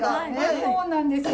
そうなんですよ。